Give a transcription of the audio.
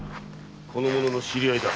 この者の知り合いだ。